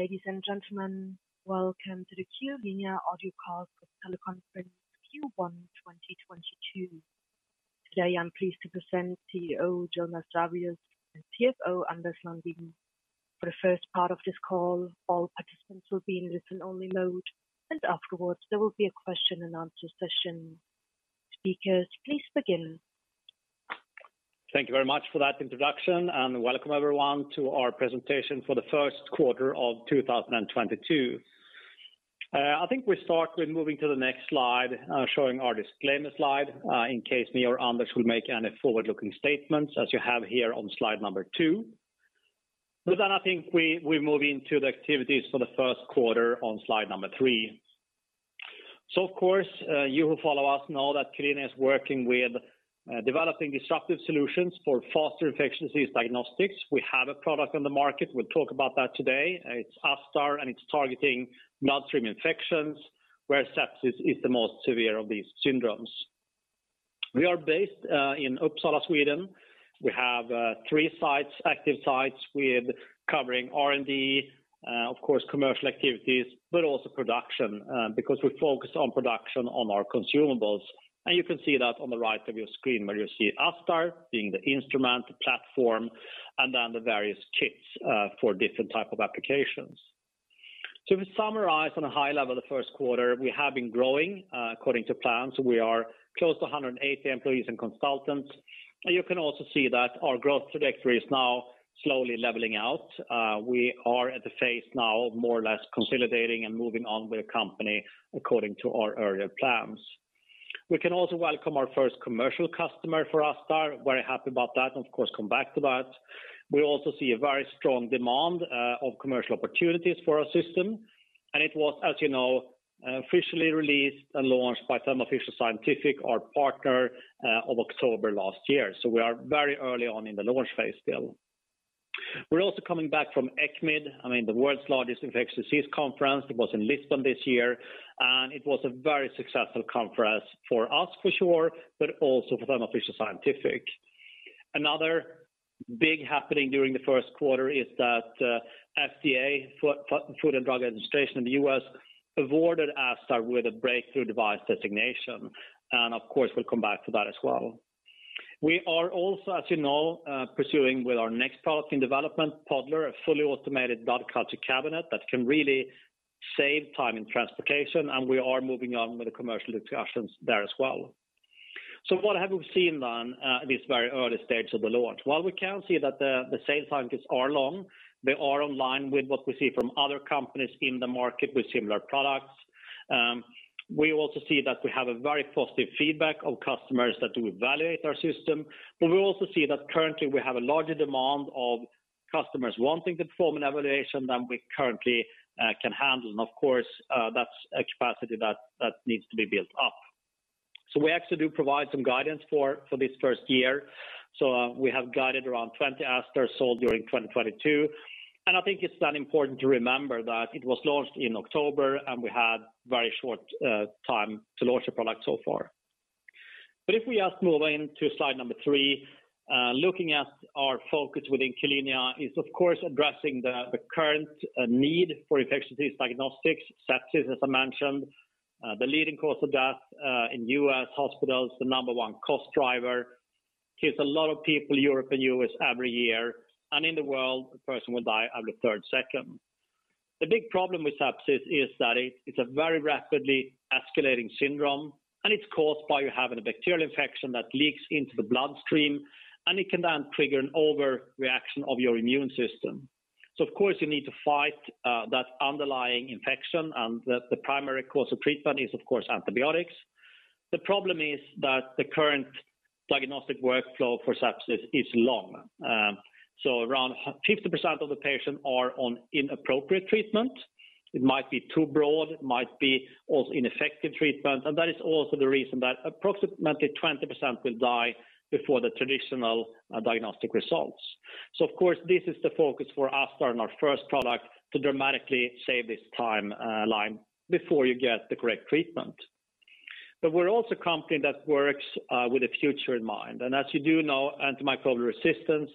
Ladies and gentlemen, welcome to the Q-linea audio call for teleconference Q1 2022. Today, I'm pleased to present CEO Jonas Jarvius and CFO Anders Lundin. For the first part of this call, all participants will be in listen-only mode, and afterwards, there will be a question and answer session. Speakers, please begin. Thank you very much for that introduction, and welcome everyone to our presentation for the first quarter of 2022. I think we start with moving to the next slide, showing our disclaimer slide, in case I or Anders will make any forward-looking statements, as you have here on slide number two. I think we move into the activities for the first quarter on slide number three. Of course, you who follow us know that Q-linea is working with developing disruptive solutions for faster infectious disease diagnostics. We have a product on the market. We'll talk about that today. It's ASTar, and it's targeting bloodstream infections, where sepsis is the most severe of these syndromes. We are based in Uppsala, Sweden. We have three sites, active sites with covering R&D, of course, commercial activities, but also production, because we focus on production on our consumables. You can see that on the right of your screen, where you see ASTar being the instrument platform and then the various kits, for different type of applications. To summarize on a high level, the first quarter, we have been growing according to plans. We are close to 180 employees and consultants. You can also see that our growth trajectory is now slowly leveling out. We are at the phase now of more or less consolidating and moving on with the company according to our earlier plans. We can also welcome our first commercial customer for ASTar. Very happy about that, and of course, come back to that. We also see a very strong demand of commercial opportunities for our system. It was, as you know, officially released and launched by Thermo Fisher Scientific, our partner, of October last year. We are very early on in the launch phase still. We're also coming back from ECCMID, I mean, the world's largest infectious disease conference. It was in Lisbon this year, and it was a very successful conference for us for sure, but also for Thermo Fisher Scientific. Another big happening during the first quarter is that FDA, Food and Drug Administration in the U.S., awarded ASTar with a breakthrough device designation. Of course, we'll come back to that as well. We are also, as you know, pursuing with our next product in development, Podler, a fully automated blood culture cabinet that can really save time in transportation, and we are moving on with the commercial discussions there as well. What have we seen then, this very early stage of the launch? While we can see that the sales cycles are long, they are in line with what we see from other companies in the market with similar products. We also see that we have a very positive feedback of customers that do evaluate our system. We also see that currently we have a larger demand of customers wanting to perform an evaluation than we currently can handle. Of course, that's a capacity that needs to be built up. We actually do provide some guidance for this first year. We have guided around 20 ASTar sold during 2022. I think it's that important to remember that it was launched in October, and we had very short time to launch the product so far. If we just move in to slide number three, looking at our focus within Q-linea is, of course, addressing the current need for infectious disease diagnostics, sepsis, as I mentioned. The leading cause of death in U.S. hospitals, the number one cost driver, kills a lot of people, Europe and U.S., every year, and in the world, a person will die every third second. The big problem with sepsis is that it's a very rapidly escalating syndrome, and it's caused by you having a bacterial infection that leaks into the bloodstream, and it can then trigger an overreaction of your immune system. Of course, you need to fight that underlying infection, and the primary course of treatment is, of course, antibiotics. The problem is that the current diagnostic workflow for sepsis is long. Around 50% of the patients are on inappropriate treatment. It might be too broad, it might be also ineffective treatment. That is also the reason that approximately 20% will die before the traditional diagnostic results. This is the focus for ASTar and our first product to dramatically save this timeline before you get the correct treatment. We're also a company that works with the future in mind. As you do know, antimicrobial resistance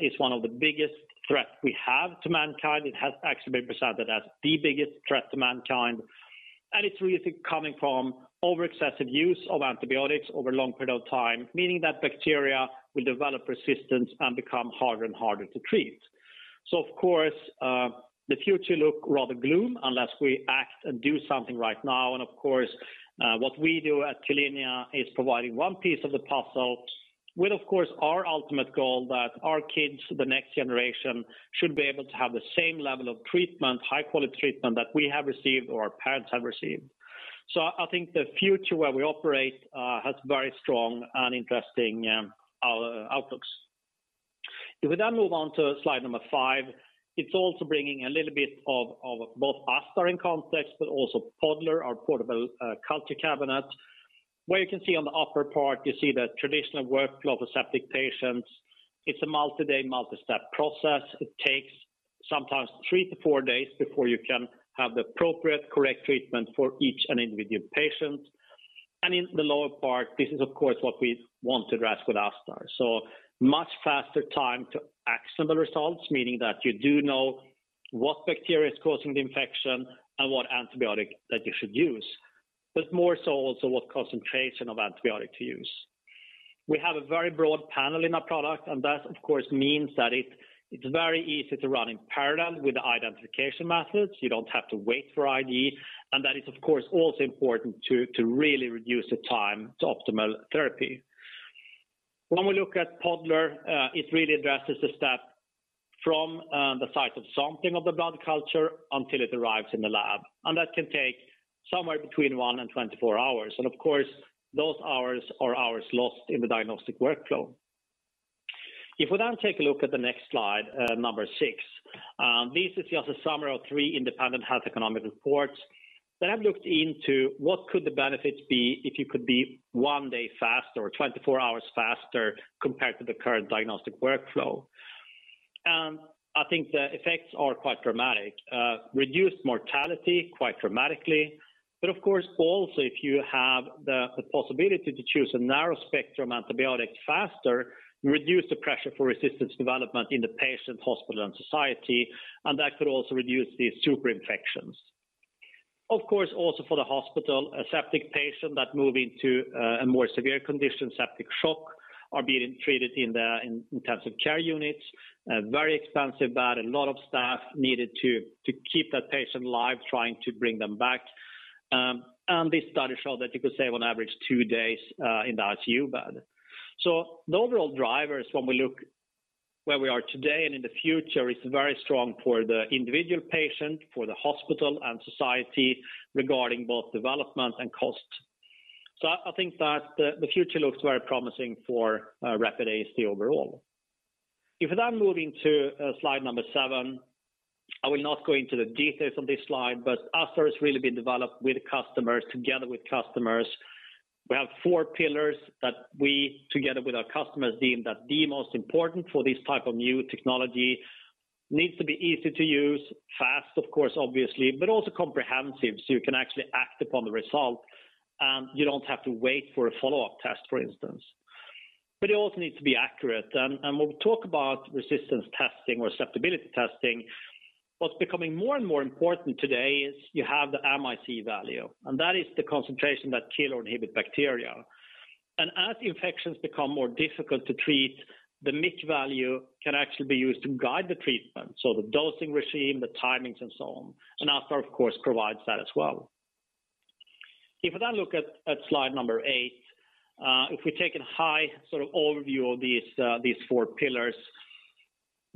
is one of the biggest threats we have to mankind. It has actually been presented as the biggest threat to mankind. It's really coming from over-excessive use of antibiotics over a long period of time, meaning that bacteria will develop resistance and become harder and harder to treat. Of course, the future looks rather gloomy unless we act and do something right now. Of course, what we do at Q-linea is providing one piece of the puzzle with, of course, our ultimate goal that our kids, the next generation, should be able to have the same level of treatment, high-quality treatment that we have received or our parents have received. I think the future where we operate has very strong and interesting outlooks. If we then move on to slide number five, it's also bringing a little bit of both ASTar in context, but also Podler, our portable culture cabinet, where you can see on the upper part, you see the traditional workflow for septic patients. It's a multi-day, multi-step process. It takes sometimes three to four days before you can have the appropriate correct treatment for each and individual patient. In the lower part, this is, of course, what we want to address with ASTar. Much faster time to action the results, meaning that you do know what bacteria is causing the infection and what antibiotic that you should use. More so also what concentration of antibiotic to use. We have a very broad panel in our product, and that of course means that it's very easy to run in parallel with the identification methods. You don't have to wait for ID, and that is, of course, also important to really reduce the time to optimal therapy. When we look at Podler, it really addresses the step from the site of sampling of the blood culture until it arrives in the lab, and that can take somewhere between one and 24 hours. Of course, those hours are hours lost in the diagnostic workflow. If we take a look at the next slide, number six, this is just a summary of three independent health economic reports that have looked into what could the benefits be if you could be one day faster or 24 hours faster compared to the current diagnostic workflow. I think the effects are quite dramatic. Reduced mortality quite dramatically. Of course, also, if you have the possibility to choose a narrow-spectrum antibiotic faster, you reduce the pressure for resistance development in the patient, hospital and society, and that could also reduce the super infections. Of course, also for the hospital, a septic patient that move into a more severe condition, septic shock, are being treated in intensive care units. Very expensive bed, a lot of staff needed to keep that patient alive, trying to bring them back. This study showed that you could save on average two days in the ICU bed. The overall drivers, when we look where we are today and in the future, is very strong for the individual patient, for the hospital and society regarding both development and cost. I think that the future looks very promising for rapid AST overall. If we move into slide number seven, I will not go into the details on this slide, but ASTar has really been developed with customers, together with customers. We have four pillars that we, together with our customers, deemed that the most important for this type of new technology needs to be easy to use, fast, of course, obviously, but also comprehensive, so you can actually act upon the result, and you don't have to wait for a follow-up test, for instance. It also needs to be accurate. When we talk about resistance testing or susceptibility testing, what's becoming more and more important today is you have the MIC value, and that is the concentration that kill or inhibit bacteria. As infections become more difficult to treat, the MIC value can actually be used to guide the treatment, so the dosing regime, the timings and so on. ASTar, of course, provides that as well. If we look at slide number eight, if we take a high sort of overview of these four pillars,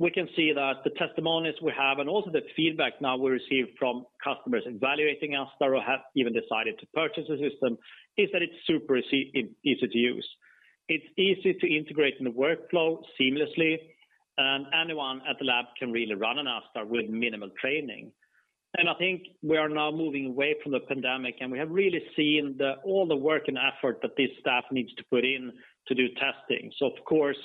we can see that the testimonies we have and also the feedback now we receive from customers evaluating ASTar or have even decided to purchase the system is that it's super easy to use. It's easy to integrate in the workflow seamlessly, and anyone at the lab can really run an ASTar with minimal training. I think we are now moving away from the pandemic, and we have really seen all the work and effort that this staff needs to put in to do testing. Of course,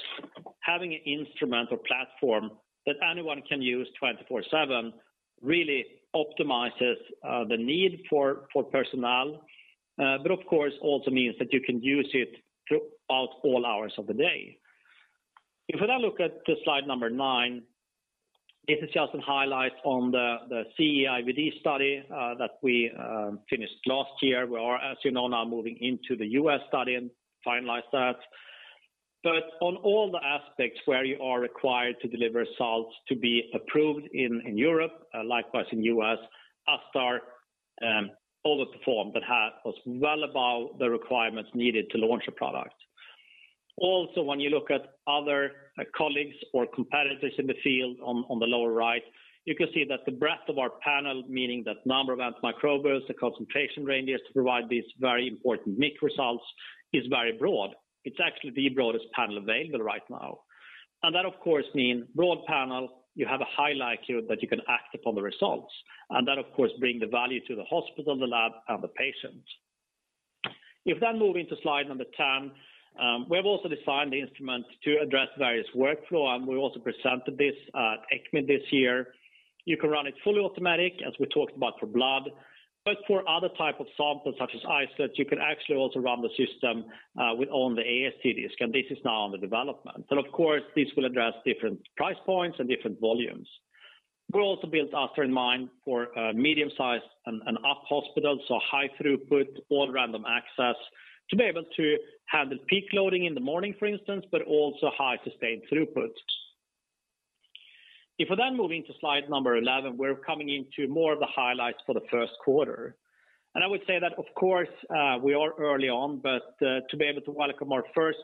having an instrument platform that anyone can use 24/7 really optimizes the need for personnel, but of course, also means that you can use it throughout all hours of the day. If we now look at the slide number nine, this is just some highlights on the CE-IVD study that we finished last year. We are, as you know now, moving into the U.S. study and finalize that. On all the aspects where you are required to deliver results to be approved in Europe, likewise in U.S., ASTar overperformed but was well above the requirements needed to launch a product. When you look at other colleagues or competitors in the field on the lower right, you can see that the breadth of our panel, meaning that number of antimicrobials, the concentration ranges to provide these very important MIC results, is very broad. It's actually the broadest panel available right now. That, of course, mean broad panel, you have a high likelihood that you can act upon the results. That of course, bring the value to the hospital, the lab and the patient. If we move into slide number 10, we have also designed the instrument to address various workflow, and we also presented this at ECCMID this year. You can run it fully automatic, as we talked about for blood. For other type of samples such as isolates, you can actually also run the system with only AST disc, and this is now under development. Of course, this will address different price points and different volumes. We've also built ASTar in mind for medium-sized and up hospitals, so high throughput, all random access, to be able to handle peak loading in the morning, for instance, but also high sustained throughputs. If we then move into slide number 11, we're coming into more of the highlights for the first quarter. I would say that of course, we are early on, but to be able to welcome our first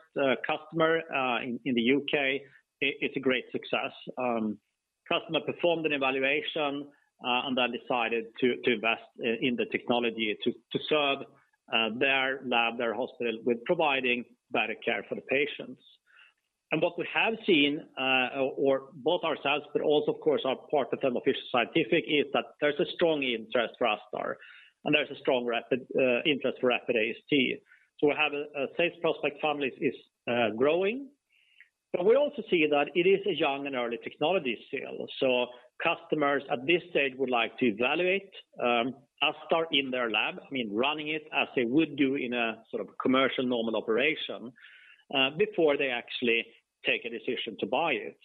customer in the U.K., it's a great success. Customer performed an evaluation and then decided to invest in the technology to serve their lab, their hospital with providing better care for the patients. What we have seen, or both ourselves, but also, of course, our partner Thermo Fisher Scientific, is that there's a strong interest for ASTar, and there's a strong, rapid interest for rapid AST. We have a sales pipeline is growing. We also see that it is a young and early technology sale. Customers at this stage would like to evaluate ASTar in their lab. I mean, running it as they would do in a sort of commercial normal operation before they actually take a decision to buy it.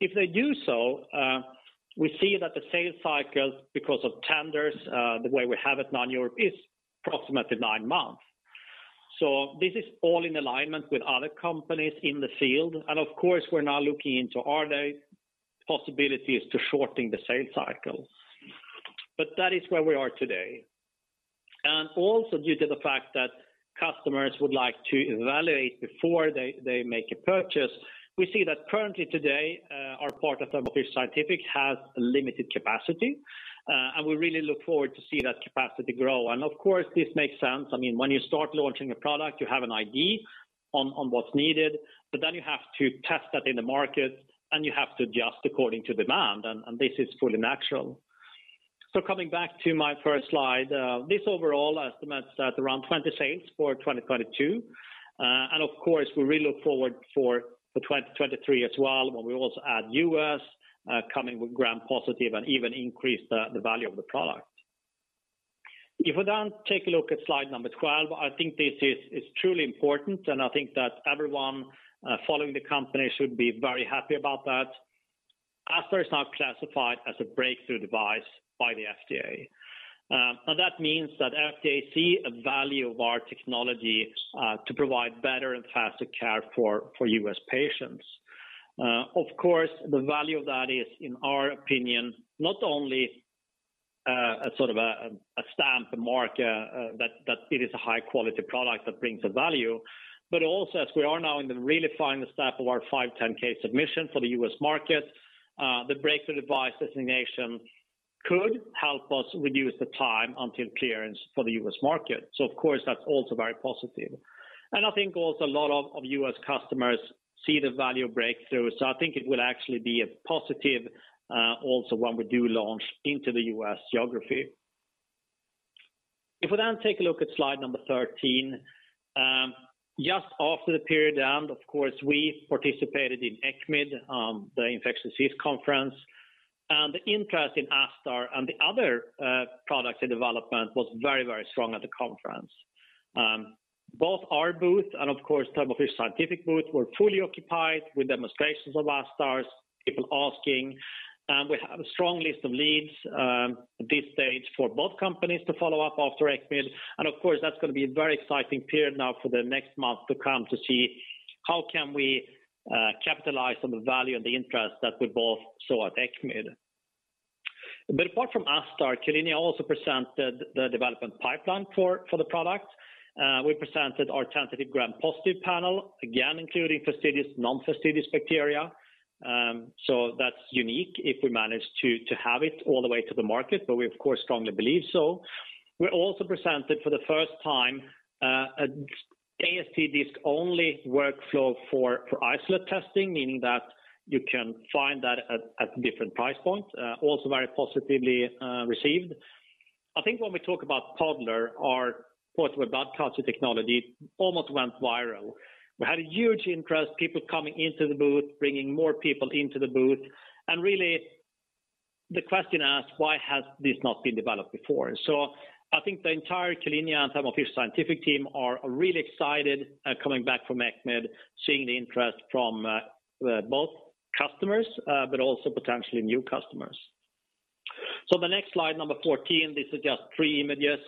If they do so, we see that the sales cycle, because of tenders, the way we have it non-Europe is approximately nine months. This is all in alignment with other companies in the field. Of course, we're now looking into are there possibilities to shortening the sales cycle. That is where we are today. Also due to the fact that customers would like to evaluate before they make a purchase, we see that currently today, our part of Thermo Fisher Scientific has limited capacity. We really look forward to see that capacity grow. Of course, this makes sense. I mean, when you start launching a product, you have an idea on what's needed, but then you have to test that in the market, and you have to adjust according to demand, and this is fully natural. Coming back to my first slide, this overall estimates that around 20 sales for 2022. Of course, we really look forward for 2023 as well, when we also add U.S., coming with gram-positive and even increase the value of the product. If we then take a look at slide number 12, I think this is truly important, and I think that everyone following the company should be very happy about that. ASTar is now classified as a breakthrough device by the FDA. Now that means that FDA see a value of our technology to provide better and faster care for U.S. patients. Of course, the value of that is, in our opinion, not only a sort of stamp mark that it is a high-quality product that brings a value, but also as we are now in the really final step of our 510(k) submission for the U.S. market, the breakthrough device designation could help us reduce the time until clearance for the U.S. market. Of course, that's also very positive. I think also a lot of U.S. customers see the value of breakthrough. I think it will actually be a positive also when we do launch into the U.S. geography. If we then take a look at slide number 13, just after the period end, of course, we participated in ECCMID, the Infectious Disease Conference, and the interest in ASTar and the other products in development was very, very strong at the conference. Both our booth and of course, Thermo Fisher Scientific booth were fully occupied with demonstrations of ASTar's, people asking. We have a strong list of leads, at this stage for both companies to follow up after ECCMID. Of course, that's gonna be a very exciting period now for the next month to come to see how can we, capitalize on the value and the interest that we both saw at ECCMID. Apart from ASTar, Q-linea also presented the development pipeline for the product. We presented our tentative gram-positive panel, again, including fastidious, non-fastidious bacteria. That's unique if we manage to have it all the way to the market, but we, of course, strongly believe so. We also presented for the first time a AST disc-only workflow for isolate testing, meaning that you can find that at different price points, also very positively received. I think when we talk about Podler, our portable blood culture technology almost went viral. We had a huge interest, people coming into the booth, bringing more people into the booth. Really, the question asked, why has this not been developed before? I think the entire Q-linea and Thermo Fisher Scientific team are really excited coming back from ECCMID, seeing the interest from both customers but also potentially new customers. The next slide, number 14, this is just three images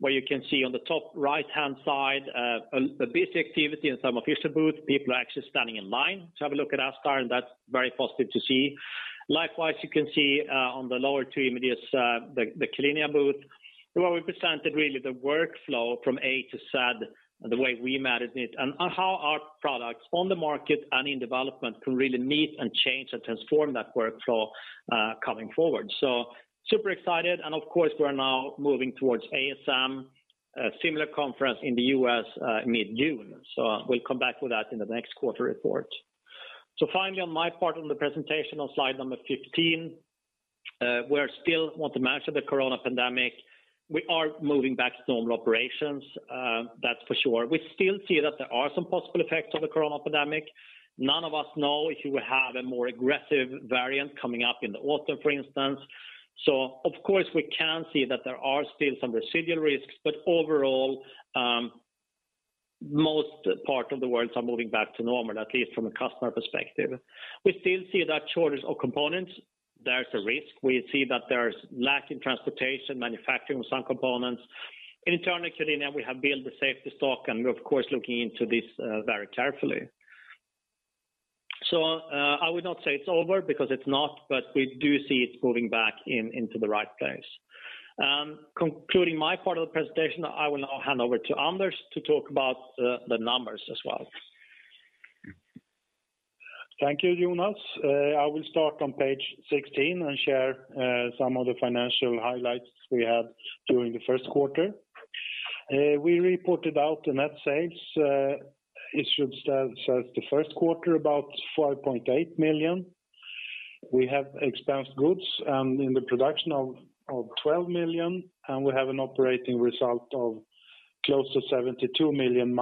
where you can see on the top right-hand side, a busy activity in Thermo Fisher booth. People are actually standing in line to have a look at ASTar, and that's very positive to see. Likewise, you can see, on the lower two images, the Q-linea booth, where we presented really the workflow from A to Z, the way we manage it, and how our products on the market and in development can really meet and change and transform that workflow, coming forward. Super excited. Of course, we're now moving towards ASM, a similar conference in the U.S., mid-June. We'll come back with that in the next quarter report. Finally, on my part on the presentation on slide number 15, we still want to manage the corona pandemic. We are moving back to normal operations, that's for sure. We still see that there are some possible effects of the corona pandemic. None of us know if you will have a more aggressive variant coming up in the autumn, for instance. Of course, we can see that there are still some residual risks. Overall, most part of the world are moving back to normal, at least from a customer perspective. We still see that shortage of components, there's a risk. We see that there's lack in transportation, manufacturing of some components. Internally at Q-linea, we have built the safety stock, and we're, of course, looking into this, very carefully. I would not say it's over because it's not, but we do see it's moving back in, into the right place. Concluding my part of the presentation, I will now hand over to Anders to talk about the numbers as well. Thank you, Jonas. I will start on page 16 and share some of the financial highlights we had during the first quarter. We reported our net sales for the first quarter at about 5.8 million. We have cost of goods sold of 12 million, and we have an operating result of close to -72 million.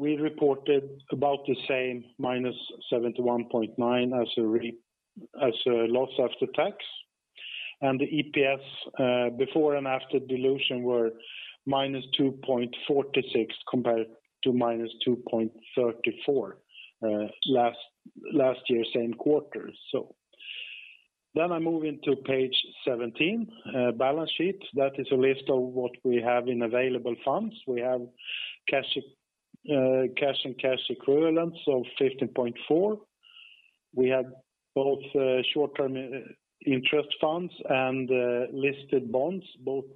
We reported about the same -71.9 million as a loss after tax. The EPS before and after dilution were -2.46 compared to -2.34 last year's same quarter. I move into page 17, balance sheet. That is a list of what we have in available funds. We have cash and cash equivalents of 15.4 million. We have both short-term interest funds and listed bonds, both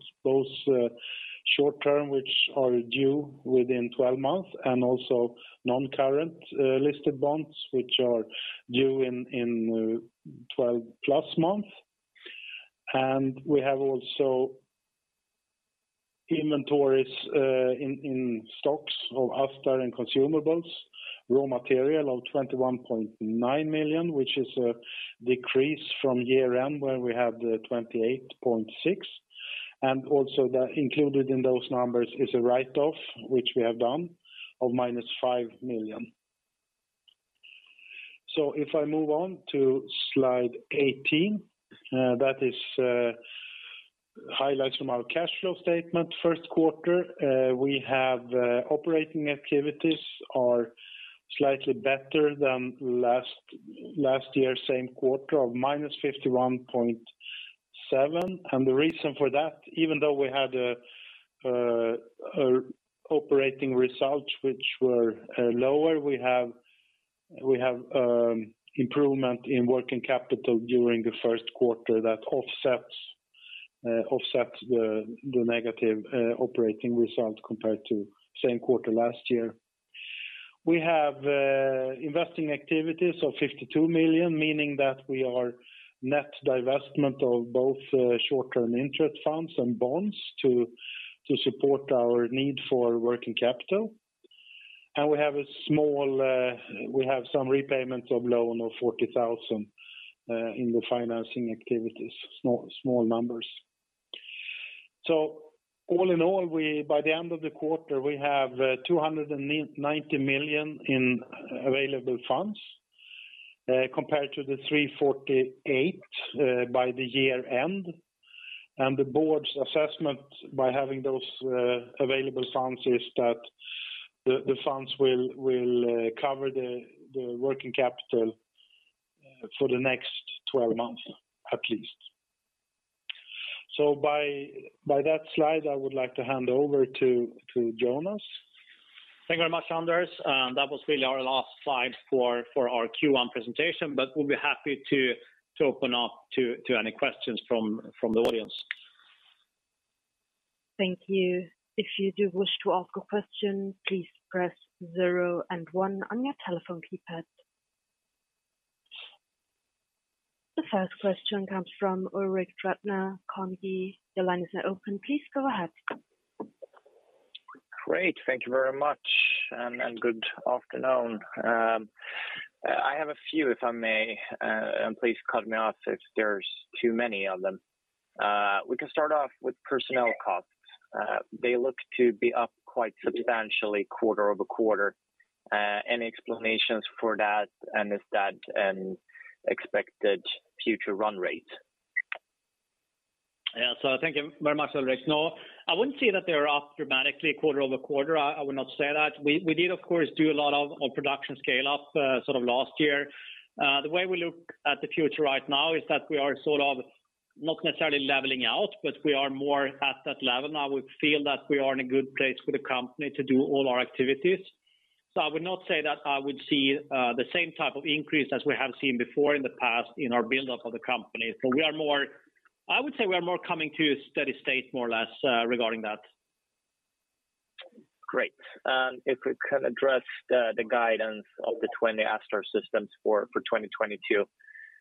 short-term which are due within 12 months and also non-current listed bonds which are due in 12+ months. We have inventories in stocks of Astrego and consumables, raw material of 21.9 million, which is a decrease from year-end where we had 28.6 million. Included in those numbers is a write-off, which we have done of -5 million. If I move on to slide 18, that is highlights from our cash flow statement first quarter. We have operating activities are slightly better than last year's same quarter of -51.7 million. The reason for that, even though we had operating results which were lower, we have improvement in working capital during the first quarter that offsets the negative operating results compared to same quarter last year. We have investing activities of 52 million, meaning that we are net divestment of both short-term interest funds and bonds to support our need for working capital. We have a small, we have some repayments of loan of 40,000 in the financing activities, small numbers. All in all, by the end of the quarter, we have 290 million in available funds compared to the 348 million by the year end. The board's assessment by having those available funds is that the funds will cover the working capital for the next 12 months, at least. By that slide, I would like to hand over to Jonas. Thank you very much, Anders. That was really our last slide for our Q1 presentation, but we'll be happy to open up to any questions from the audience. Thank you. If you do wish to ask a question, please press zero and one on your telephone keypad. The first question comes from Ulrik Trattner, Carnegie. Your line is now open. Please go ahead. Great. Thank you very much and good afternoon. I have a few, if I may, and please cut me off if there's too many of them. We can start off with personnel costs. They look to be up quite substantially quarter-over-quarter. Any explanations for that? Is that an expected future run rate? Yeah. Thank you very much, Ulrik. No, I wouldn't say that they are up dramatically quarter over quarter. I would not say that. We did, of course, do a lot of production scale up, sort of last year. The way we look at the future right now is that we are sort of not necessarily leveling out, but we are more at that level now. We feel that we are in a good place for the company to do all our activities. I would not say that I would see the same type of increase as we have seen before in the past in our buildup of the company. We are more. I would say we are more coming to a steady state more or less, regarding that. Great. If we can address the guidance of the 20 ASTar systems for 2022.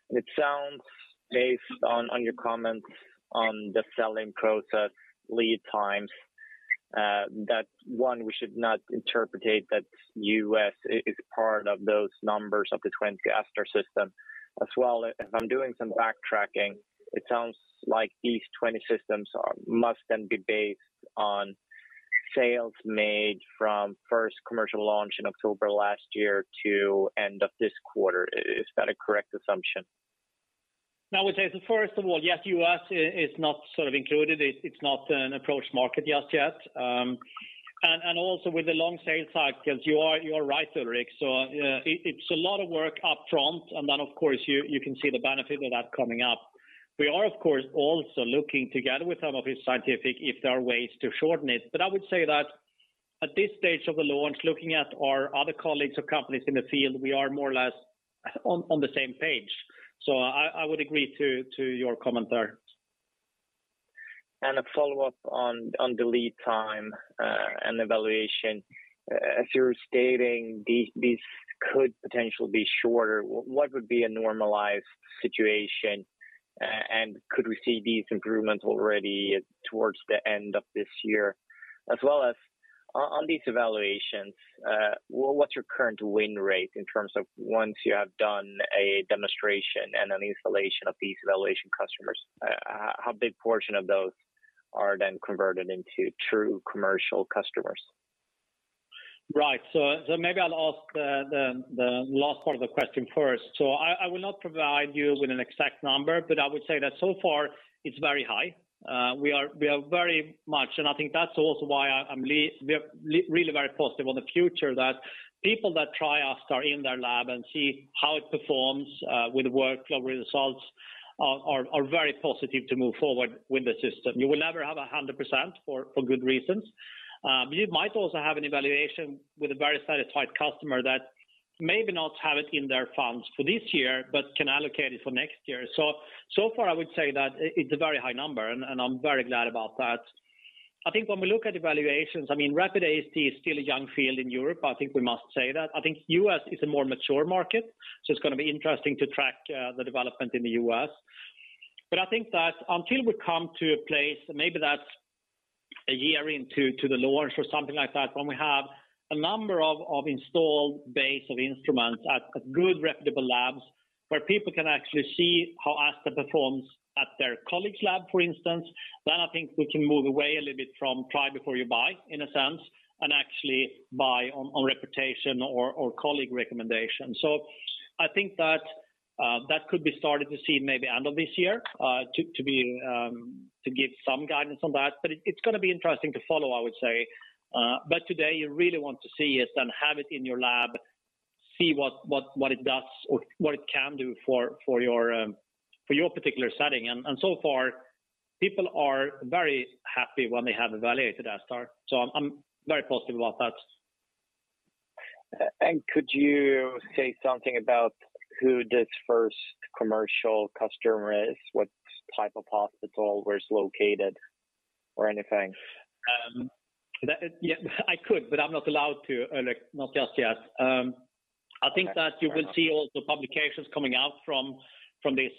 It sounds based on your comments on the selling process lead times that we should not interpret that U.S. is part of those numbers of the 20 ASTar system. As well, if I'm doing some backtracking, it sounds like these 20 systems must then be based on sales made from first commercial launch in October last year to end of this quarter. Is that a correct assumption? Now I would say, first of all, yes, U.S. is not sort of included. It’s not an approved market just yet. Also with the long sales cycles, you are right, Ulrik. It’s a lot of work up front, and then of course, you can see the benefit of that coming up. We are of course also looking together with Thermo Fisher Scientific if there are ways to shorten it. I would say that at this stage of the launch, looking at our other colleagues or companies in the field, we are more or less on the same page. I would agree to your comment there. A follow-up on the lead time and evaluation. As you're stating, these could potentially be shorter. What would be a normalized situation? And could we see these improvements already towards the end of this year? As well as on these evaluations, what's your current win rate in terms of once you have done a demonstration and an installation of these evaluation customers, how big a portion of those are then converted into true commercial customers? Right. Maybe I'll ask the last part of the question first. I will not provide you with an exact number, but I would say that so far it's very high. We are very much, and I think that's also why we are really very positive on the future that people that try us are in their lab and see how it performs with workflow results are very positive to move forward with the system. You will never have 100% for good reasons. You might also have an evaluation with a very satisfied customer that maybe not have it in their funds for this year, but can allocate it for next year. So far, I would say that it's a very high number, and I'm very glad about that. I think when we look at evaluations, I mean, rapid AST is still a young field in Europe. I think we must say that. I think U.S. is a more mature market, so it's gonna be interesting to track the development in the U.S. I think that until we come to a place, maybe that's a year into the launch or something like that, when we have a number of installed base of instruments at good reputable labs, where people can actually see how ASTar performs at their colleague's lab, for instance, then I think we can move away a little bit from try before you buy, in a sense, and actually buy on reputation or colleague recommendation. I think that could be started to see maybe end of this year to give some guidance on that. It's gonna be interesting to follow, I would say. Today you really want to see it and have it in your lab, see what it does or what it can do for your particular setting. So far people are very happy when they have evaluated ASTar. I'm very positive about that. Could you say something about who this first commercial customer is? What type of hospital, where it's located or anything? Yeah, I could, but I'm not allowed to, Ulrik, not just yet. I think that you will see all the publications coming out from this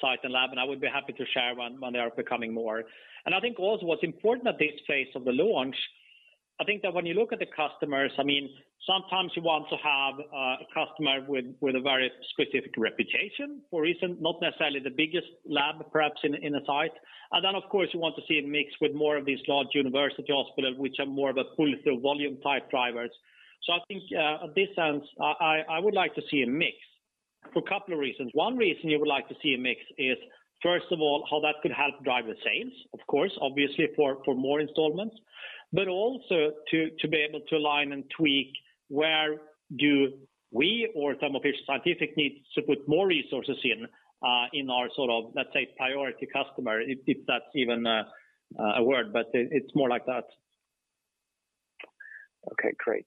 site and lab, and I would be happy to share when they are becoming more. I think also what's important at this phase of the launch, I think that when you look at the customers, I mean, sometimes you want to have a customer with a very specific reputation for reason, not necessarily the biggest lab perhaps in a site. Then of course, you want to see a mix with more of these large university hospitals, which are more of a pull-through volume type drivers. I think in this sense, I would like to see a mix for a couple of reasons. One reason you would like to see a mix is first of all, how that could help drive the sales, of course, obviously for more installments, but also to be able to align and tweak where do we or Thermo Fisher Scientific needs to put more resources in our sort of, let's say, priority customer, if that's even a word, but it's more like that. Okay, great.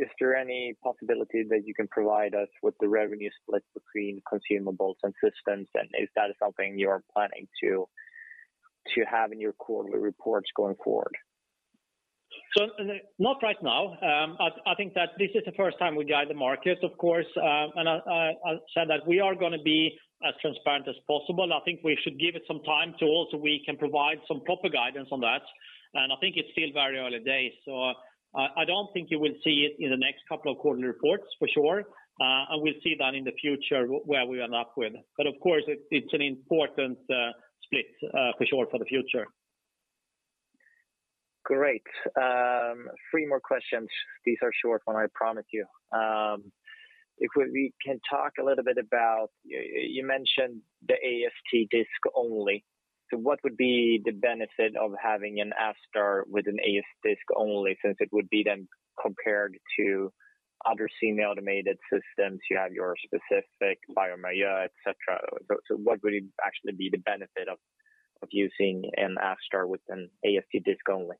Is there any possibility that you can provide us with the revenue split between consumables and systems? Is that something you are planning to have in your quarterly reports going forward? Ulrik, not right now. I think that this is the first time we guide the market, of course. I said that we are gonna be as transparent as possible. I think we should give it some time so also we can provide some proper guidance on that. I think it's still very early days, so I don't think you will see it in the next couple of quarterly reports for sure. We'll see that in the future where we end up with. Of course, it's an important split for sure for the future. Great. Three more questions. These are short one, I promise you. If we can talk a little bit about you mentioned the AST disc only. What would be the benefit of having an ASTar with an AST disc only, since it would be then compared to other semi-automated systems, you have your Specific, bioMérieux, et cetera. What would actually be the benefit of using an ASTar with an AST disc only?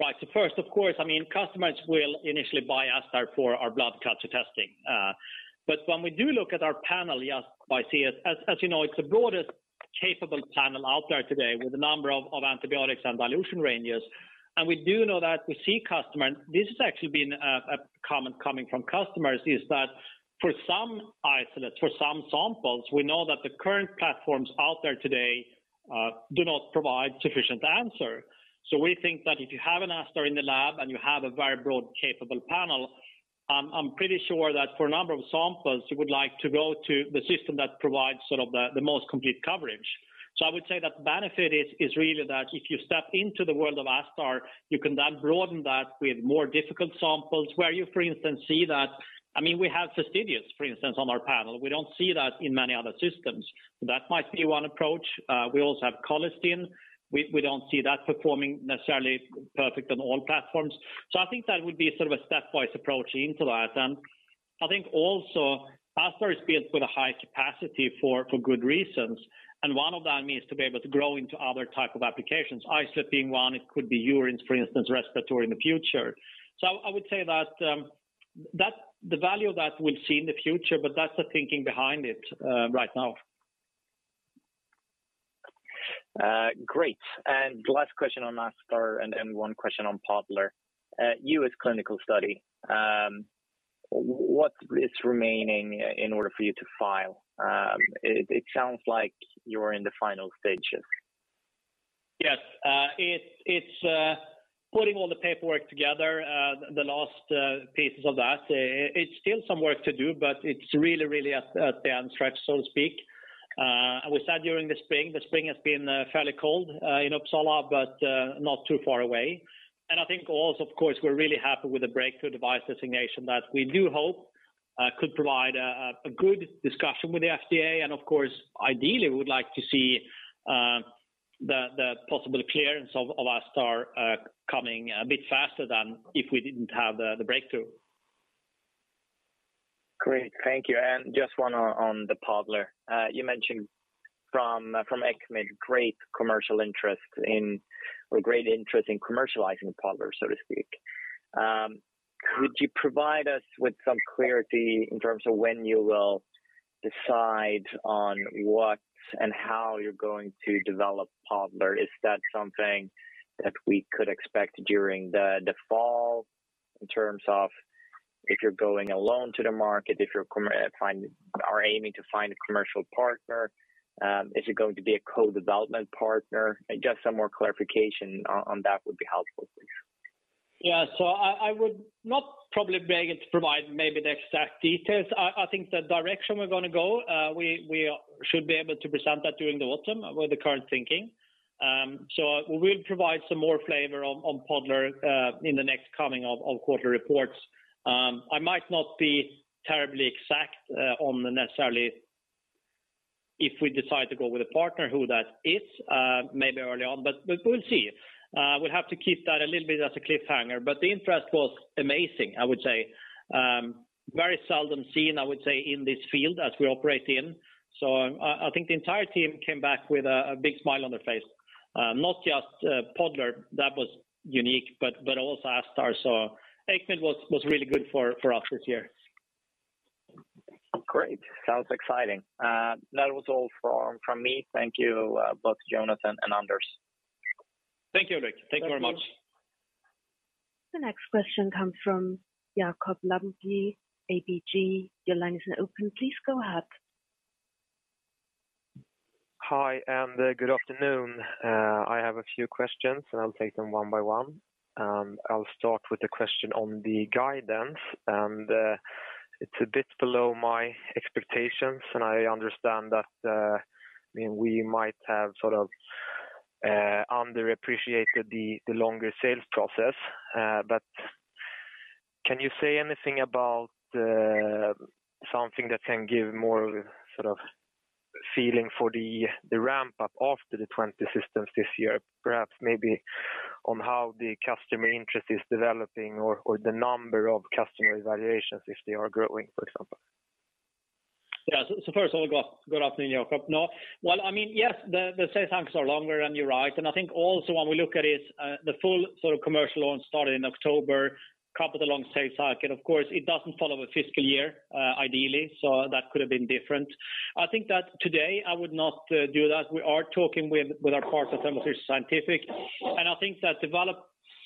Right. First, of course, I mean, customers will initially buy ASTar for our blood culture testing. But when we do look at our panel, yes, I see it. As you know, it's the broadest capable panel out there today with a number of antibiotics and dilution ranges. We do know that we see customer, this has actually been a comment coming from customers, is that for some isolates, for some samples, we know that the current platforms out there today do not provide sufficient answer. We think that if you have an ASTar in the lab and you have a very broad capable panel, I'm pretty sure that for a number of samples, you would like to go to the system that provides sort of the most complete coverage. I would say that the benefit is really that if you step into the world of ASTar, you can then broaden that with more difficult samples where you, for instance, see that, I mean, we have Pseudomonas, for instance, on our panel. We don't see that in many other systems. That might be one approach. We also have colistin. We don't see that performing necessarily perfect on all platforms. I think that would be sort of a stepwise approach into that. I think also ASTar is built with a high capacity for good reasons, and one of them is to be able to grow into other type of applications. Isolate being one, it could be urine, for instance, respiratory in the future. I would say that the value of that we'll see in the future, but that's the thinking behind it right now. Great. Last question on ASTar and then one question on Podler, U.S. clinical study. What is remaining in order for you to file? It sounds like you're in the final stages. Yes. It's putting all the paperwork together, the last pieces of that. It's still some work to do, but it's really at the home stretch, so to speak. We said during the spring. The spring has been fairly cold in Uppsala, but not too far away. I think also of course, we're really happy with the breakthrough device designation that we do hope could provide a good discussion with the FDA. Of course, ideally we would like to see the possible clearance of our ASTar coming a bit faster than if we didn't have the breakthrough device. Great. Thank you. Just one on the Podler. You mentioned from ECCMID great commercial interest in or great interest in commercializing Podler, so to speak. Could you provide us with some clarity in terms of when you will decide on what and how you're going to develop Podler? Is that something that we could expect during the fall in terms of if you're going alone to the market, if you're aiming to find a commercial partner, is it going to be a co-development partner? Just some more clarification on that would be helpful, please. I would not probably be able to provide maybe the exact details. I think the direction we're gonna go, we should be able to present that during the autumn with the current thinking. We'll provide some more flavor on Podler in the next coming quarter reports. I might not be terribly exact on the necessary if we decide to go with a partner, what that is, maybe early on, but we'll see. We'll have to keep that a little bit as a cliffhanger, but the interest was amazing, I would say. Very seldom seen, I would say, in this field as we operate in. I think the entire team came back with a big smile on their face. Not just Podler that was unique, but also ASTar. ECCMID was really good for us this year. Great. Sounds exciting. That was all from me. Thank you, both Jonas and Anders. Thank you, Ulrik. Thank you very much. The next question comes from Jakob Lundén, ABG. Your line is now open. Please go ahead. Hi, good afternoon. I have a few questions, and I'll take them one by one. I'll start with a question on the guidance, and it's a bit below my expectations, and I understand that, I mean, we might have sort of underappreciated the longer sales process. But can you say anything about something that can give more of a sort of feeling for the ramp up after the 20 systems this year, perhaps maybe on how the customer interest is developing or the number of customer evaluations, if they are growing, for example? Yeah. So first of all, good afternoon, Jakob. No. Well, I mean, yes, the sales cycles are longer, and you're right. I think also when we look at is the full sort of commercial launch started in October, coupled with a long sales cycle. Of course, it doesn't follow a fiscal year ideally, so that could have been different. I think that today I would not do that. We are talking with our partners at Thermo Fisher Scientific, and I think that we develop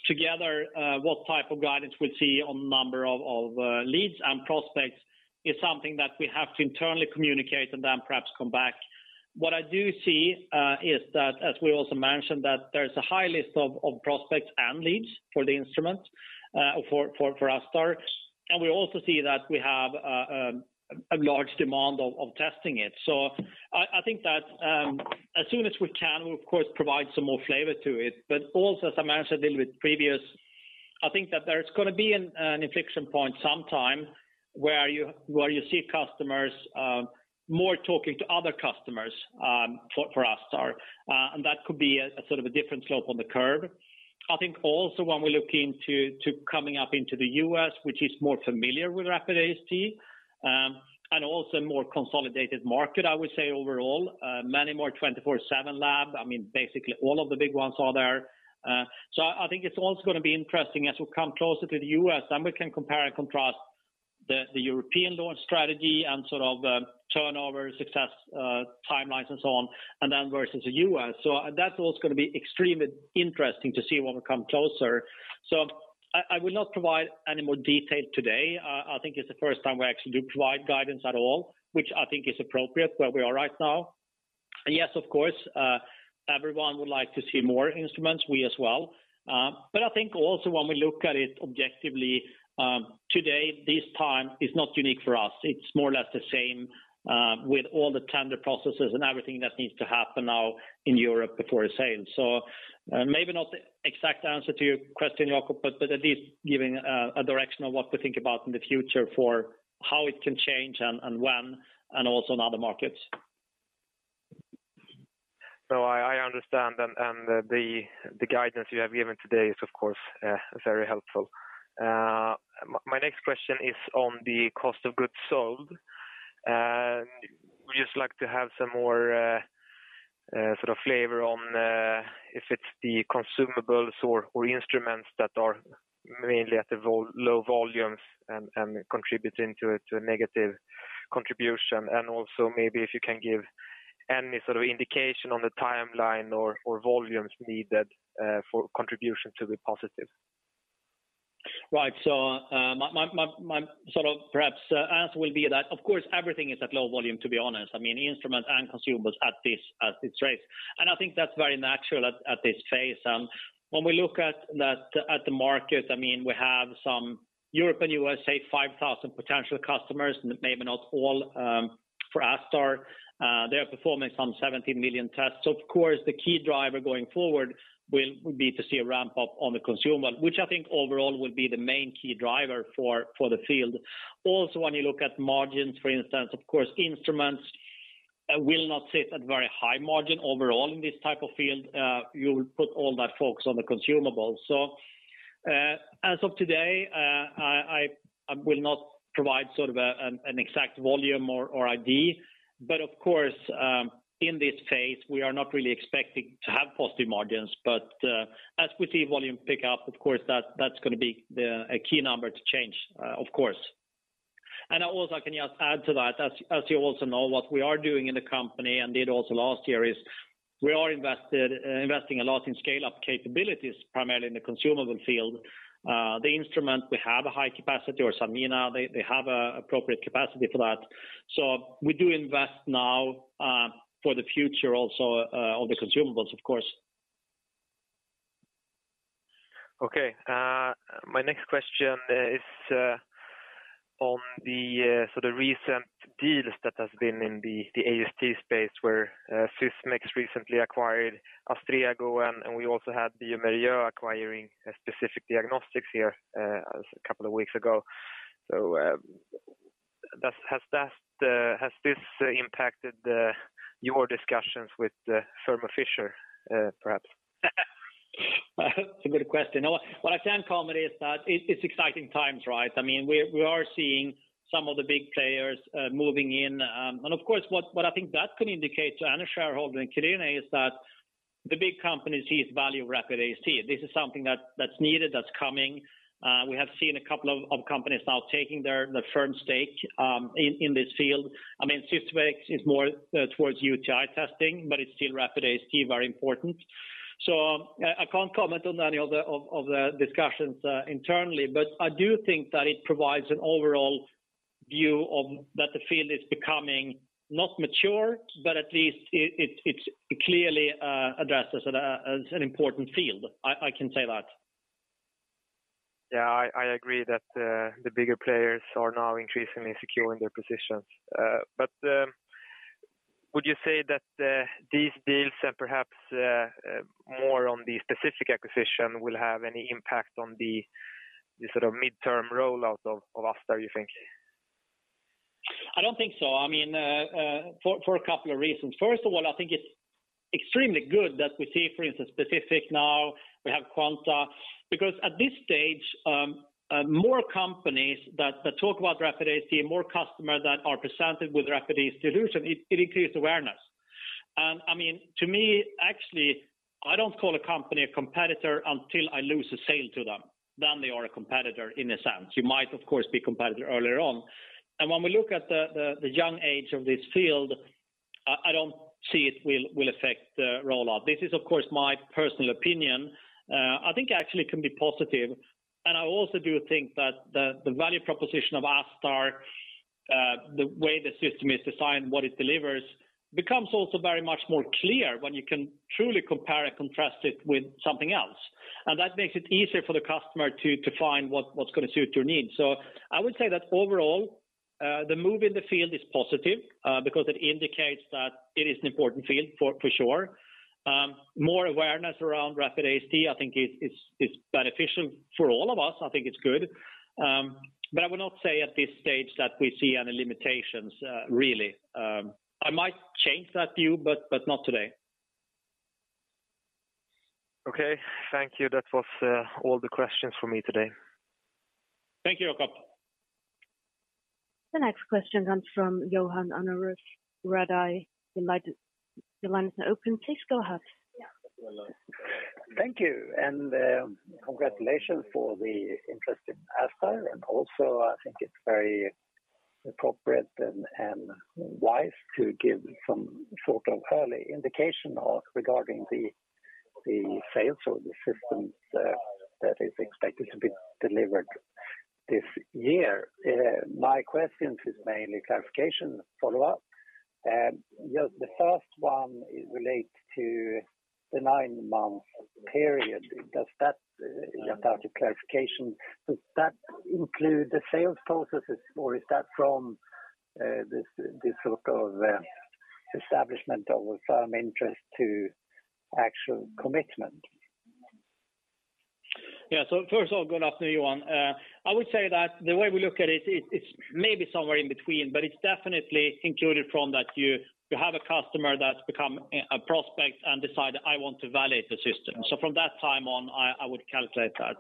together what type of guidance we'll see on number of leads and prospects is something that we have to internally communicate and then perhaps come back. What I do see is that as we also mentioned, that there's a high list of prospects and leads for the instrument for our ASTar. We also see that we have a large demand for testing it. I think that as soon as we can, we'll of course provide some more flavor to it. Also, as I mentioned a little bit previously, I think that there's gonna be an inflection point sometime where you see customers more talking to other customers for our ASTar. That could be a sort of a different slope on the curve. I think also when we look into coming up into the U.S., which is more familiar with rapid AST, and also more consolidated market, I would say overall, many more 24/7 labs. I mean, basically all of the big ones are there. I think it's also gonna be interesting as we come closer to the U.S., then we can compare and contrast the European launch strategy and sort of, turnover success, timelines and so on, and then versus the U.S. That's what's gonna be extremely interesting to see when we come closer. I will not provide any more detail today. I think it's the first time we actually do provide guidance at all, which I think is appropriate where we are right now. Yes, of course, everyone would like to see more instruments, we as well. I think also when we look at it objectively, today, this time is not unique for us. It's more or less the same, with all the tender processes and everything that needs to happen now in Europe before a sale. Maybe not the exact answer to your question, Jakob, but at least giving a direction of what to think about in the future for how it can change and when, and also in other markets. No, I understand. The guidance you have given today is of course very helpful. My next question is on the cost of goods sold. I would just like to have some more sort of flavor on if it's the consumables or instruments that are mainly at the low volumes and contributing to a negative contribution and also maybe if you can give any sort of indication on the timeline or volumes needed for contribution to be positive. Right. My sort of perhaps answer will be that of course everything is at low volume to be honest. I mean, instrument and consumables at this rate. I think that's very natural at this phase. When we look at the market, I mean, we have some Europe, USA, 5,000 potential customers, maybe not all for ASTar. They are performing some 70 million tests. Of course, the key driver going forward will be to see a ramp up on the consumable, which I think overall will be the main key driver for the field. Also, when you look at margins, for instance, of course, instruments will not sit at very high margin overall in this type of field. You'll put all that focus on the consumable. As of today, I will not provide an exact volume or EBITDA. Of course, in this phase we are not really expecting to have positive margins. As we see volume pick up, of course, that's gonna be a key number to change, of course. Also, can you add to that, as you also know, what we are doing in the company and did also last year is we are investing a lot in scale-up capabilities, primarily in the consumable field. The instrument, we have a high capacity, or Sumetzberger, they have an appropriate capacity for that. We do invest now, for the future also, on the consumables of course. Okay. My next question is on the sort of recent deals that has been in the AST space where Sysmex recently acquired Astrego, and we also had bioMérieux acquiring Specific Diagnostics here as a couple of weeks ago. Has this impacted your discussions with Thermo Fisher, perhaps? That's a good question. What I can comment is that it's exciting times, right? I mean, we are seeing some of the big players moving in. Of course, what I think that can indicate to another shareholder in Q-linea is that the big companies sees value in rapid AST. This is something that's needed, that's coming. We have seen a couple of companies now taking the firm stake in this field. I mean, Sysmex is more towards UTI testing, but it's still rapid AST, very important. I can't comment on any other of the discussions internally, but I do think that it provides an overall view of that the field is becoming not mature, but at least it's clearly addresses as an important field. I can say that. Yeah. I agree that the bigger players are now increasingly securing their positions. Would you say that these deals and perhaps more on the specific acquisition will have any impact on the sort of midterm rollout of ASTar, you think? I don't think so. I mean, for a couple of reasons. First of all, I think it's extremely good that we see, for instance, Specific Diagnostics, now we have Gradientech, because at this stage, more companies that talk about rapid AST, more customers that are presented with rapid AST solution, it increases awareness. I mean, to me, actually, I don't call a company a competitor until I lose a sale to them, then they are a competitor in a sense. You might of course be competitor earlier on. When we look at the young age of this field, I don't see it will affect the rollout. This is of course my personal opinion. I think actually it can be positive. I also do think that the value proposition of ASTar, the way the system is designed, what it delivers, becomes also very much more clear when you can truly compare and contrast it with something else. That makes it easier for the customer to find what's gonna suit your needs. I would say that overall, the move in the field is positive, because it indicates that it is an important field for sure. More awareness around rapid AST, I think is beneficial for all of us. I think it's good. But I would not say at this stage that we see any limitations, really. I might change that view, but not today. Okay. Thank you. That was all the questions for me today. Thank you, Jakob. The next question comes from Johan Unnerus, Redeye. Your line is now open. Please go ahead. Thank you and congratulations for the interest in Astrego. Also, I think it's very appropriate and wise to give some sort of early indication regarding the sales or the systems that is expected to be delivered this year. My question is mainly clarification follow-up. Just the first one relates to the nine-month period. Does that, just for clarification, include the sales processes, or is that from this sort of establishment of a firm interest to actual commitment? Yeah. First of all, good afternoon, Johan. I would say that the way we look at it's maybe somewhere in between, but it's definitely included from that you have a customer that's become a prospect and decide, I want to validate the system. From that time on, I would calculate that.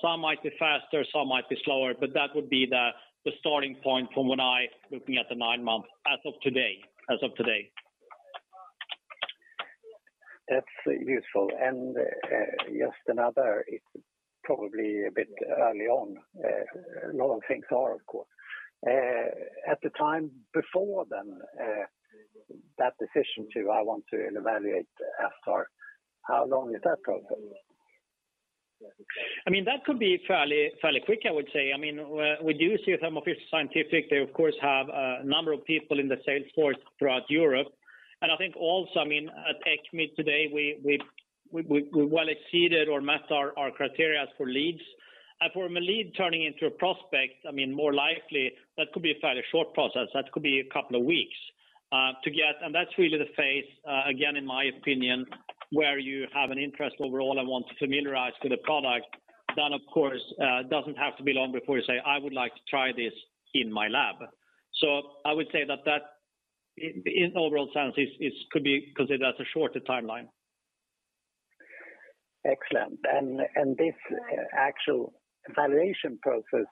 Some might be faster, some might be slower, but that would be the starting point from when I looking at the nine months as of today. That's useful. It's probably a bit early on, a lot of things are, of course. At the time before then, that decision to evaluate the SR, how long is that process? I mean, that could be fairly quick, I would say. I mean, we do see some of it's scientific. They of course have a number of people in the sales force throughout Europe. I think also, I mean, at ECCMID today, we well exceeded or met our criteria for leads. For a lead turning into a prospect, I mean, more likely that could be a fairly short process. That could be a couple of weeks to get. That's really the phase, again, in my opinion, where you have an interest overall and want to familiarize to the product. Of course, it doesn't have to be long before you say, "I would like to try this in my lab." I would say that in overall sense is could be considered as a shorter timeline. Excellent. This actual evaluation process,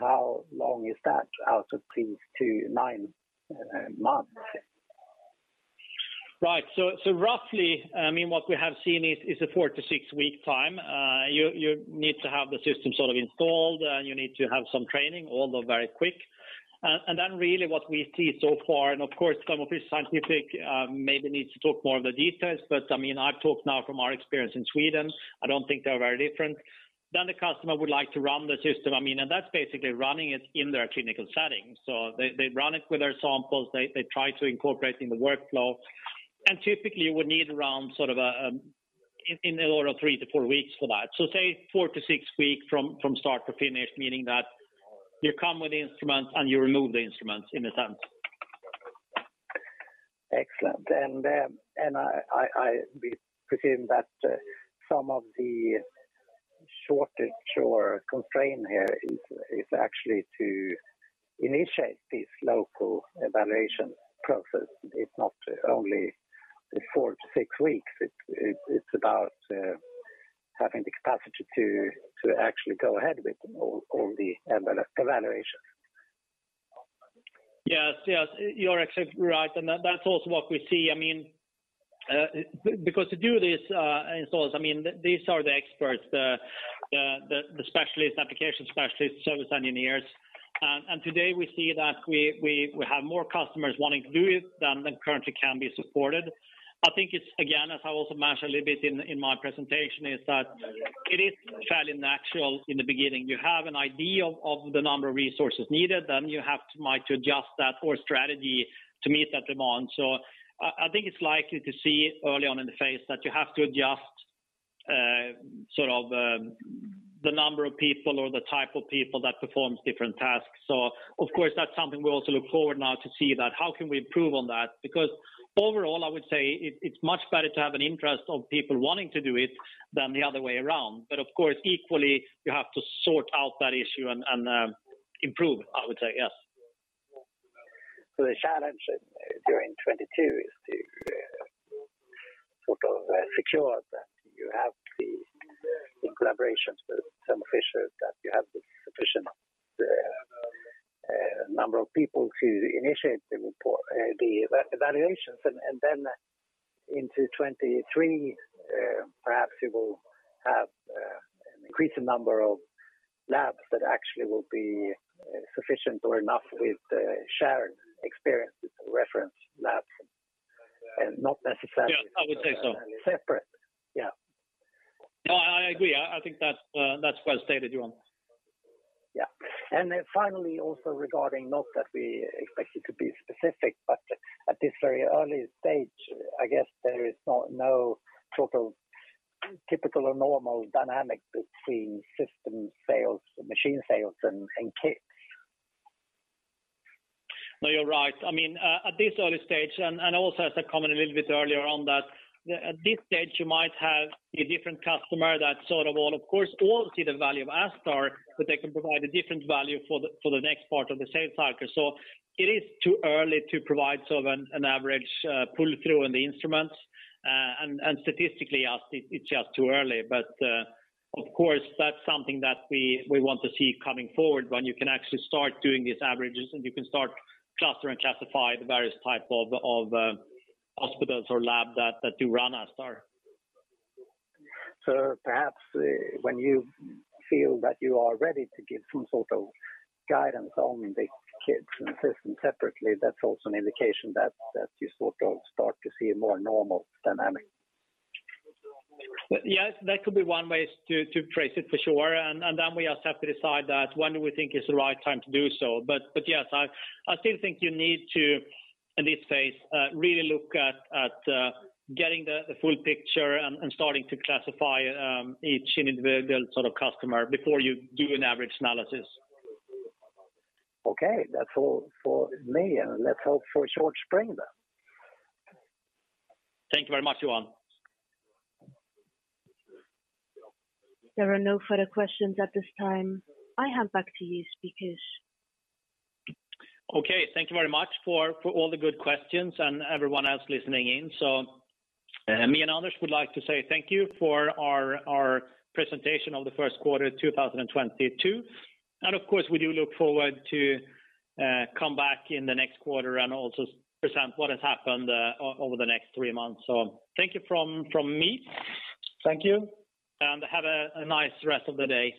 how long is that out of these 29 months? Right. Roughly, I mean, what we have seen is a 4-6-week time. You need to have the system sort of installed, and you need to have some training, although very quick. Really what we see so far, and of course some of this scientific, maybe needs to talk more of the details. I mean, I've talked now from our experience in Sweden. I don't think they are very different. Then the customer would like to run the system. I mean, and that's basically running it in their clinical setting. They run it with their samples, they try to incorporate in the workflow. Typically, you would need around sort of a in the order of 3-4 weeks for that. Say 4-6 weeks from start to finish, meaning that you come with the instruments and you remove the instruments in a sense. Excellent. We presume that some of the shortage or constraint here is actually to initiate this local evaluation process. It's not only the 4-6 weeks, it's about having the capacity to actually go ahead with all the evaluations. Yes. Yes. You're exactly right, and that's also what we see. I mean, because to do these installs, I mean, these are the experts, the specialist application specialist, service engineers. Today we see that we have more customers wanting to do it than currently can be supported. I think it's, again, as I also mentioned a little bit in my presentation, is that it is fairly natural in the beginning. You have an idea of the number of resources needed, then you might have to adjust that or strategy to meet that demand. I think it's likely to see early on in the phase that you have to adjust sort of the number of people or the type of people that performs different tasks. Of course, that's something we also look forward now to see that how can we improve on that? Because overall, I would say it's much better to have an interest of people wanting to do it than the other way around. Of course, equally, you have to sort out that issue and improve, I would say, yes. The challenge during 2022 is to sort of secure that you have the collaborations with some officials, that you have the sufficient number of people to initiate the pilot evaluations. Then into 2023, perhaps you will have an increased number of labs that actually will be sufficient or enough with the shared experiences and reference labs and not necessarily. Yeah, I would say so. separate. Yeah. No, I agree. I think that's well stated, Johan. Yeah. Finally, also regarding not that we expect it to be specific, but at this very early stage, I guess there is no sort of typical or normal dynamic between system sales, machine sales and kits. No, you're right. I mean, at this early stage, and also as I commented a little bit earlier on that, at this stage, you might have a different customer that, of course, all see the value of ASTar, but they can provide a different value for the next part of the sales cycle. It is too early to provide sort of an average pull-through on the instruments, and statistically it's just too early. Of course, that's something that we want to see coming forward when you can actually start doing these averages and you can start cluster and classify the various type of hospitals or lab that do run ASTar. Perhaps when you feel that you are ready to give some sort of guidance on the kits and system separately, that's also an indication that you sort of start to see a more normal dynamic. Yes, that could be one way to trace it for sure. Then we just have to decide when we think is the right time to do so. Yes, I still think you need to, in this phase, really look at getting the full picture and starting to classify each individual sort of customer before you do an average analysis. Okay. That's all for me. Let's hope for a short spring then. Thank you very much, Johan. There are no further questions at this time. I hand back to you, speakers. Okay. Thank you very much for all the good questions and everyone else listening in. Me and others would like to say thank you for our presentation of the first quarter 2022. Of course, we do look forward to come back in the next quarter and also present what has happened over the next three months. Thank you from me. Thank you. Have a nice rest of the day.